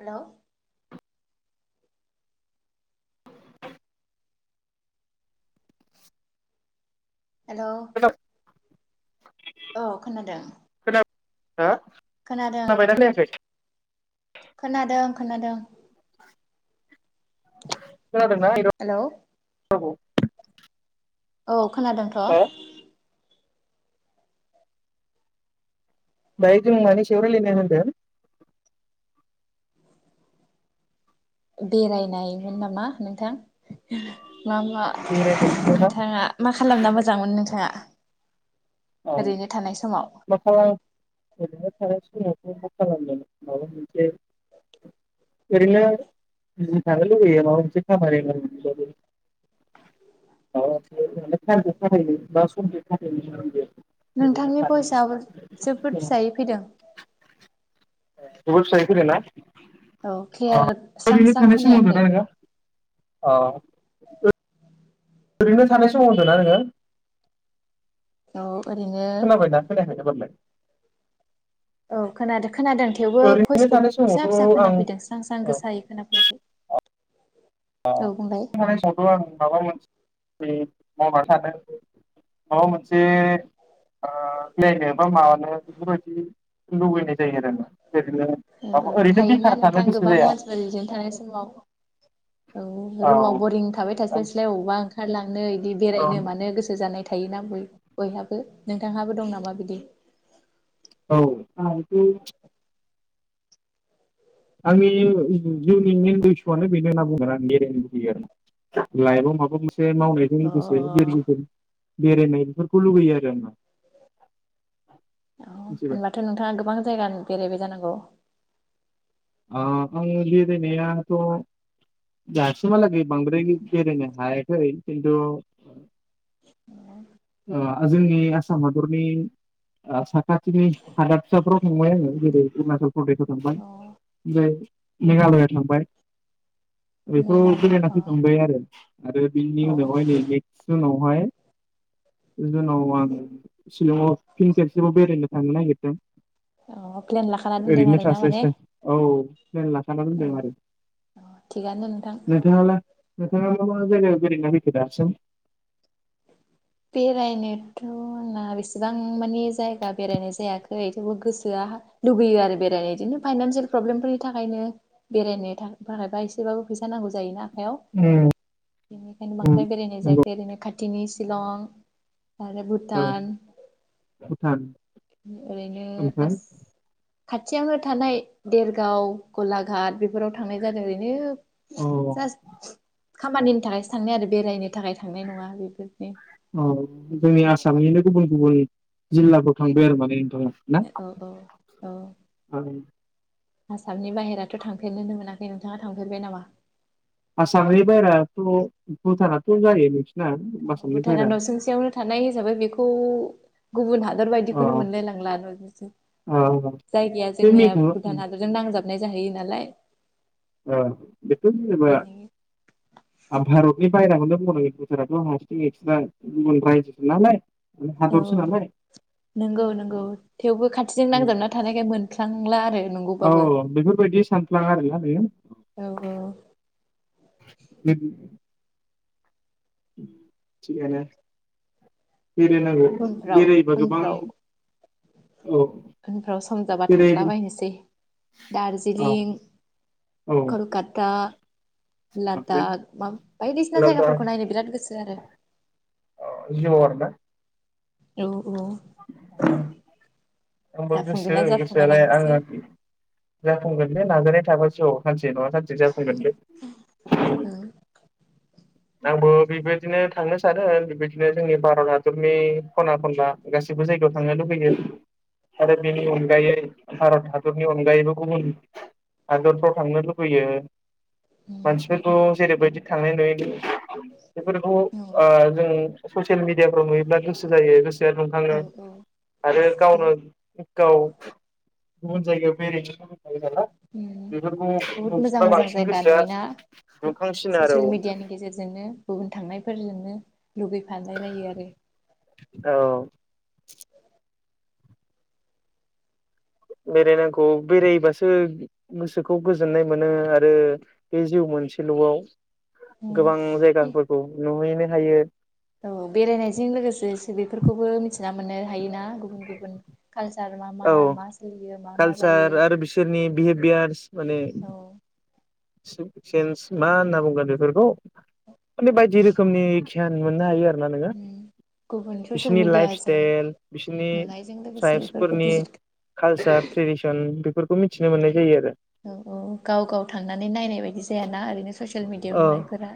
Hello. Hello. औ खोनादों। हो खोनादों खोनाबायना खोनायाखै। खोनादों खोनादों। [inaudible] खोनादोंना हेलौ रावखौ। औ। खोनादोंथ। दायो जों मानि सायाव रायलायनो होनदों। बेरायनायमोन नामा नोंथां। मा मा बेरायनायनि सायावना नोंथांङा मा खालामना मोजांमोनो नोंथांङा। औ समाव मा खालाम ओरैनो थानाय समाव। मा खालानो माबा मोनसे ओरैनो बिजि थानो लुुबैयो माबा मोनसे खामानि माव माबा मोनसे सानसे थाखाय बा समजों थाखायनो लांग। नोंथांनि भइसआबो जोब्बोद फिसायै फैदों। जोबोद फिसायै फैदोंना? औ। क्लियार स्रां स्रां खोनायाखै। अह। ओ ओरैनो थानाय समाव होनदोना नोङो? औ। ओरैनो खोनाबायना खोनायाखै एबारलाय? औ खोनादो खोनादों थेवबो ओरैनो भयसखौ थानाय फिसा समावथ' फिसा आं खोनाफैदों स्रां स्रां ओ गोसायै खोनाफैयाखै। [inaudible] अ औ बुंलाय [unintelligible] आं माबा मोनसे बे मावनानै थानो माबा मोनसे ओ प्लेन एबा मानो बेफोरबायदि लुबैनाय जायो आरो आङो। औ औ थायोना नोंथां गोसो गोबां जाया मानसिफोर लजिं थानाय समाव। औ रुमाव बरिं थाबाय औ थास्लायस्लाय अबावबा ओंखार नो इदि बेरायनो मानो गोसो जानाय थायोना बय-बयहाबो नोंथांहाबो दं नामा बिदि? औ। आंनि जिउनि मेन इसुआनो बेनो होनना बुंगोन आङो बेरायनो लुबैयो आरो ना लाइफआव माब माबा मोनसे मावनायजों अ लोगोसे [unintelligible] होगोन। बेरायनाय बेफोरखौ लुगैयो आरो आङो। औ होनबाथ' नोंथाङा गोबां जायगा बेरायबाय जानांगौ? अह आं बेरायनायाथ' दासिमहालागै बांद्राय बेरायनो हायाखै खिन्थु अ जोंनि आसाम हादरनि आ सा खाथिनि हादाबसाफ्राव थांबाय आङो। जेरै अरुणाचल प्रदेशाव थांबाय अ मेघालयाव थांबाय। बेफोराव मेघालया बेरायना अ फैखांबाय आरो आरो बिनि अ उनावहाय नै नेक्स जुनाव हाय जुनाव आङो सिलङाव फिन खेसेयावबो बेरायनो थांनो नागि दों। अह प्लेन लाखाना दोनदों आरो ना माने? औ प्लेन लाखाना औ दोनदों आरो अ थिगानो नोंथां नोंथाङाला नोंथाङा मा मा जायगायाव बेरायना फैखो दासिम बेरायनोथ' आंना बेसेबां माने जायगा बेरायनाय जायाखै थेवबो गोसोआ हा लुगैयो आरो बेरायनो इदिनो फाइनान्सियेल प्रब्लेमफोरनि थाखायनो बेरायनो था-थाखायबा एसेबाबो फैसा नांगौ जायोना याव बेनिखायनो उम बांद्राय बेरायनाय नंगौ जायाखै ओरैनो खाथ दिनि सिलङाव उम। आरो औ भुटान भुटान ओरैनो ओमफ्राय आस खाथियावनो थानाय देरगाव गलाघाट बेफोराव थांनाय जादों ओरैनो अ जास खामानिनि थाखायसो थांनाय आरो बेरायनो थाखाय थांनाय नङा बेफोरनि औ जोंनि आसामनिनो गुबुन गुबुन जिल्लाफोराव थांबाय आरो माने। औ ना औ औ औ आं आसामनि बाहेराथ' थांफेरनोनो मोनाखै नोंथाङा थांफेरबाय नामा आसामनि बाहेराथ' भुटानाथ' जायो। आसामनि भुटाना बायेरा नसुंसेयावनो थानाय हिसाबै बेखौ गुबुन हादर अ बायदिखौनो मोनलायलांला अ जायगाया बे जोंनिया मेघाल भुटान ओ हादरजों नांजाब नाय जाहैयो नालाय। ओ बेखौ जेनेबा बेनि आ भारतनि बायराखौनो बुंनांगोन भुटानाथ हारसिं एक्स्रा गुबुन रायजोसो नालाय औ हादरसो नालाय नंगौ नंगौ थेवबो खाथिजों नांजाबना थानायखाय मोनफ्लाङ ला आरो। औ नंगौबाबो बेफोरबायदि सान [inaudible] ना आरोना बेयो औ औ बे थिगानो। बेरायनांगौ उनफ्राव बेरायोबा गोबां उनफ्राव औ उनफ्राव सम जाबा बेराय थांलाबायनोसै औ दार्जिलिं औ कलकाता ओमफ्राय लादाख मा बायदिसिना लादाख जायगाफोरखौ नायनो बिराद गोसो आरो। अ जिउआव आरोना औ। औ [unintelligible] आंबो जाफुंगोन गोसो ना जाफुङा गोसोआलाय नायनोसै आङो जाफुंगोन बेे नाजानाय थाबा। [unintelligible] से नङा सानसे जाफुंगोनलै। उम आंबो बेबायदिनो थांनो सानो बेबायदिनो जोंनि भारत हादरनि खना खनला गासैबो जायगायाव थांनो लुबैदों। आरो बेनि अनगायै भारत हादरनि अनगायैबो गुबुन हादरफ्राव थांनो लुबैयो। उम मानसिफोरखौ जेरैबायदि थांनाय नुयै खि बेफोरखौ ओ औ जों [unintelligible] ससियेल मिडियाफ्राव नुयोब्ला गोसो जायो गोसोआ दुंखाङो औ औ आरो दे गावनो। गाव गुबुन जायगायाव बेराय हैनो [inaudible] उम [inaudible] बेफोरखौ बहुद मोजां नुसिनबा मोजां बांसिन जायगा गोसोआ नुयोना दुंखांसिन आरो औ। जोंनो गुबुन थांनायफोरजोंनो। लुगैफालायलायो आरो। औ बेरायनांगौ बेरायबासो गोसोखौ गोजोननाय मोनो आरो बे जिउ मोनसेलआव। उम गोबां दे जायगाफोरखौ नुहैनो। हायो। औ बेरायनायजों लोगोसे सिलिफोर खौबो मिथिना मोनो। हायोना गुबुन गुबुन कालचार मा मा औ मा सोलियो मा मा कालसार जायो आरो बिसोरनि औ। सु चेन्स मा होनना बुंगोन बेफोरखौ माने बायदि रोखोमनि गियान मोननो हायो। मोना नोङो गुबुन ससियेल बिसिनि लाइफ मिडियाजों स्टेइल नुनायजों लोगोसे बेफोरखौ बिजित कालसार ट्रेडिसन बेफोरखौ मिथिनो मोननाय जायो आरो। औ औ गाव गाव थांनानै नायनाय बायदि जायाना ओरैनो ससियेल मिडियाव औ नुनायफोरा।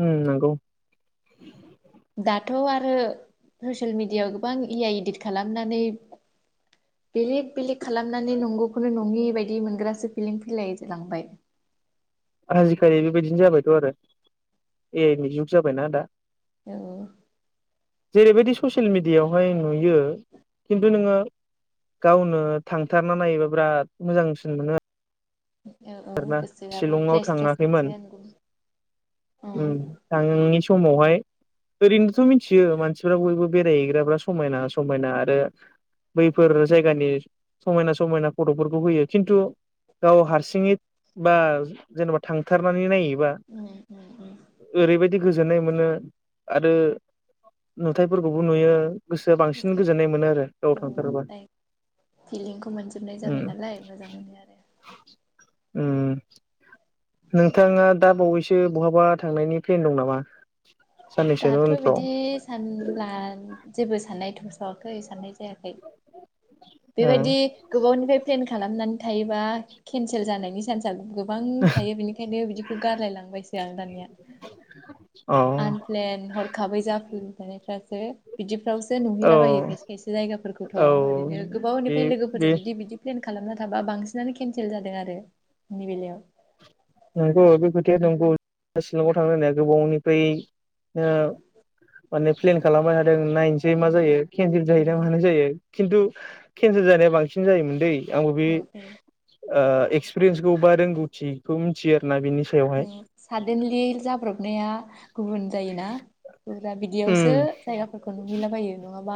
उम नंगौ। दाथ आरो ससियेल मिडियाव गोबां इ आइ इदिट खालामनानै बेलेक बेलेक खालामनानै नंगौखौनो नङि बायदि मोनग्रासो फिलिं फैलाय लांबाय। आजिखालि बेबायदिनो जाबायथ आरो ए आइ नि जुग जाबायना दा। औ। जेरैबायदि ससियेल मिडियावहाय नुयो खिन्थु नोङो गावनो थांथारना नायोबा बिराद मोजांसिन मोनो। औ औ [unintelligible] गोसोआबो शिलंआव फ्रेस फ्रेस थाङाखैमोन मोनसिगोन औ उम थांङैनि समावहाय ओरैनोथ मिथियो मानसिफ्रा बयबो बेरायहैग्राफा समायना समायना आरो बैफोर जायगानि समायना समायना फथफोरखौ होयो खिन्थु गाव हारसिङै बा जेनेबा थांथारनानै नायोबा उम उम उम ओरैबायदि दि गोजोननाय मोनो आरो नुथाइफोरखौबो नुयो। गोसोआ बांसिन [unintelligible] गोजोननाय मोनो आरो गाव थांथारोबा फिलिंखौ मोनजोबनाय उम जाबाय नालाय मोजां मोनो आरो। उम। नोंथाङा दा बावैसो बहाबा थांनायनि फ्लेन दं नामा? साननैसोनि दाथ उनफ्राव बिदि सानला जेबो साननायथ। गोसावाखै साननाय जायाखै। बेबायदि गोबावनिफ्राय फ्लेन खालामनानै थायोबा केनसेल जानायनि चान्सा गु गोबां थायो बेनिखायनो बिदिखौ गारलाय लांबायसो आं दानिया ओ आन प्लेन हरखाबै जाफ्ललानायफ्रा ओ बिदि फ्रावसो अ औ नुहैलाबायो खायसे खायसे जायगाफोरखौथ औ ओरैनो बे गोबावनिफ्राय बे लोगोफोरजों बिदि बिदि फ्लेन खालामनानै थांबा बांसिनानो केनसेल जादों आरो बिनि बेलायाव नंगौ बे खोथाया नंगौ शिलंआव थांनो होननाया गोबावनिफ्राय नो माने फ्लेन खालामबाय थादों नायनोसै मा उम जायो खेनसेल जायोना उम मानाय जायो खिन्थु केनसेल जानाया बांसिन जायोमोन दै आंबो बे औ ओ एक्सपिरियेन्सखौ बा रोंगौथि खौ मिथियो आरोना बिनि औ सादेनलि जाब्रबनाया गुबुन जायोना गुरा बिदियावसो उम जायगाफोरखौ नुहैलाबायो नङाबा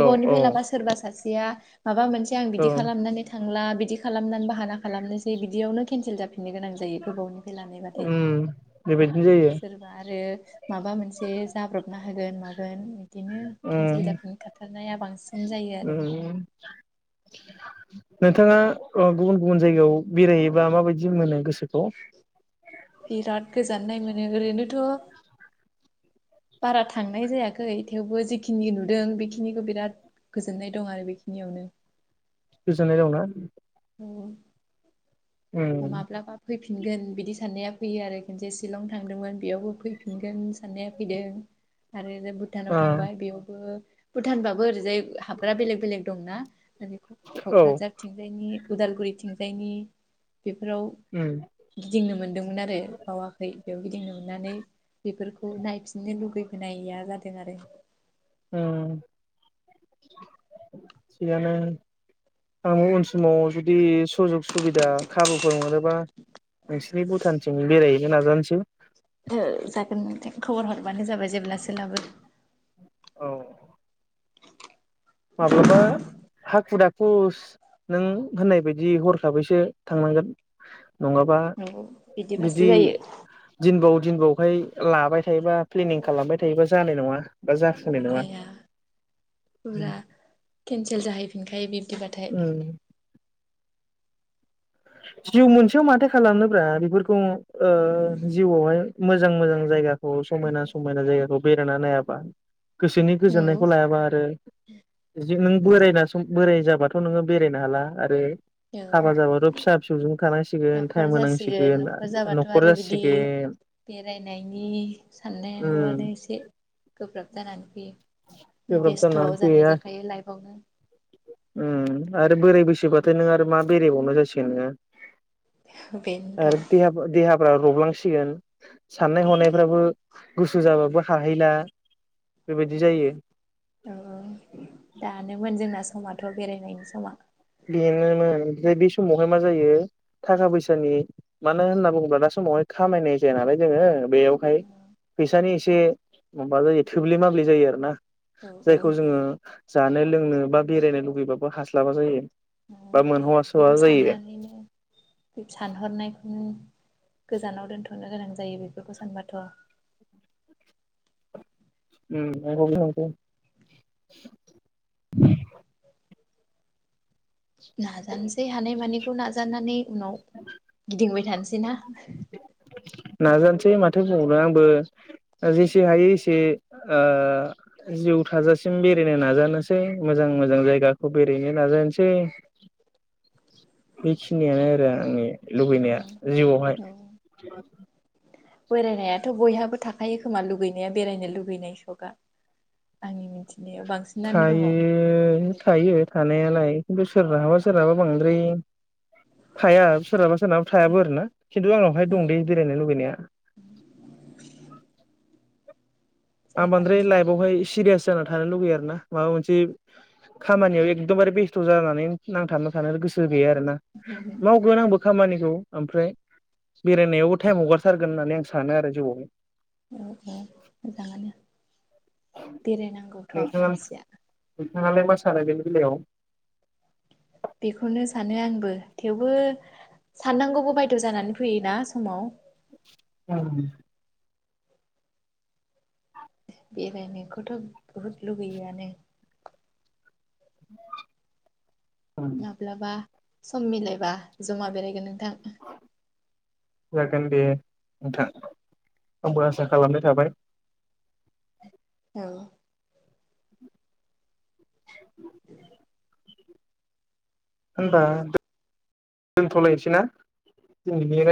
औ औ लाबा सोरबा सासे या माबा मोनसे आं औ बिदि खालामनानै थांला बिदि खालामनानै बाहाना खालामनोसै जे बिदियावनो केनसेल जाब फिनो गोनां जायो गोबावनि लानायबथाय उम बेबायदिनो जायो सोरबा आरो माबा मोनसे जाब्रबना होगोन मागोन बिदिनो केन्सेल उम जाफैनो खाथारनाया बांसिन जायो आरो उम नोंथाङा ओ गुबुन गुबुन जायगायाव बेरायोबा माबायदि मोनो गोसोख खौ गोजान नाय मोनो ओरैनोथ बारा थांनाय जायाखै थेवबो जिखिनि नुदों बेखिनिखौ बिराद गोजोननाय दं आरो बेखिनियावनो गोजोननाय दंना औ उम माब्लाबा फैफिन फैफिनगोन बिदि साननाया फैयो आरो खनसे शिलं थांदोंमोन बेयावबो फैफिनगोन साननाया फैदों आरो भुटानाव ओ थांबाय बेयावबो भुटानबाबो ओरैजाय हाबग्रा बेलेग बेलेग दंना ओै औ कक्राझारथिंजायनि उदालगुरिथिंजायनि बेफोराव उम गिदिंनो मोनदोंमोन आरो बावाखै बेयाव गिदिं नुनानै बेफोरखौ नायफिननो लुगैयो नायैया जादों आरो ओ थिगानो आं उन समाव जुदि सुजुग सुबिदा खाबुफोर मोनोबा नोंसिनि भुटानथिं बेरायहैनो नाजानोसै जागोन नोंथों खबर हरबानो जाबाय जेब्ला सोलाबो औ माब्लाबा हाखु दाखु फुस नों होननाय बायदि हरखाबैसो थांनांगोन नंङाबा नंगौ बिदिबासो बिदि जायो दिनबाव दिन बावखाय लाबाय थायोबा प्लेनिं खालामबाय थायोबा जानाय नंङा बा जाफुंनाय नंङा जाया केनसेल जाहैफिनखायो बे दिबाथाय उम जिउ मोनसेयाव माथो खालामनोब्रा बेफोर खौ ओ जिउआवहाय मोजां मोजां जायगा खौ समायना समायना जायगाखौ बेरायना नायाबा गोसोनि औ गोजोननायखौ लायाबा आरो जि नों बोरायना सम बोराय जाबा थ नोंङो बेरायनो हाला आरो औ हाबा जाबाथ फिसा फिसौजों थानांसिगोन टाइम न'खर जासिगोन होनांसिगोन न'खर जाबाथ न'खर आरो बिदि जासिगोन बेरायनायनि उम साननायांगौआनो एसे गोब्राब जानानै फैयो। गोब्राब बेस्थ' जानानै जानाय फैयो आर जाखायो लाइफआवनो उम आरो। बोराय बैसोबाथाय नों आरो मा बेरायबावनो जासिगोन नोंङो बेनोथ' औ आरो देहा देहाफ्रा रबलांसिगोन साननाय हनायफ्राबो गोसो जाबाबो हाहैला बेबायदि जायो औ दानोमोन जोंना समा थ बेरायनायनि समा बेनोमोन ओमफ्राय बे समावहाय मान जायो थाखा फैसानि मानो होनना बुंङोब्ला दा समावहाय खामायनाय जाया नालाय जोंङो बेयावहाय फैसानि एसे। माबा जायो थोब्ले माब्ले जायो आरो ना। औ जायखौ औ जोंङो। जानो लोंनो बा बेरायनो लुुबैबाबो हास्लाबा जायो। ओ बा मोनह'वास'वा बेखौ जायो साननानैनो बे सानहरनायखौनो। गोजानाव दोनथनो गोनां जायो बेफोरखौ सानबाथ। उम [unintelligible] नाजानोसै हानाय मानि। खौ नाजानानानै। उनाव गिदिंबाय थानोसै। दिना [inaudible] नाजानोसै माथो बुंबावनो आंबो जेसे हायो एसे ओ जिउ थाजासिम बेरायनो नाजानोसै मोजां-मोजां जायगाखौ बेरायनो नाजानोसै। बेखिनियानो आरो आंनि। लुबैनाया जिउआवहाय। औ बेरायनायाथ बयहाबो थाखायो खोमा लुगैनाया बेरायनो लुगैनाय सका आंनि मिथि। थायो, थायो लोगोफोरनि थानायालाय खिन्थु सोरहाबा सोरहाबा बांद्राय थाया सोरहाबा सोरनाब थायाबो आरैना खिन्थु आंनावहाय औ दं दै बेरायनो लुगैनाया। आं जायगा बांद्राय नायनानै लाइफआवहाय सिरियास जाना थानो लुुबै आरोना माबा मोनसे खामानियाव एकदमबारे बेस्थ जानानै नांथाबना थानो गोसो गैया आरोना मावगोन आंबो खामानिखौ। ओमफ्राय बेरायनायावबो टाइम हगारथारगोन होननानै आं सानो आरो जिवाव औ औ मोजाङानो। बेरायनांगौथ नोंथाङा मानसिया नोंथाङालाय मा सानो बेनि बेलायाव। बेखौनो सानो आंबो थेवबो साननांगौबो बायद जानानै फैयोना समाव। औ। बेरायनायखौथ बुहुद लुगैयोआनो। [inaudible] माब्लाबा। सम मिलायबा जमा बेरायगोन नों। थां। जागोन दे नोंथां आंबो आसा खालामनाय थाबाय। औ। होनबा दोनथलायनोसैना? दिनैनि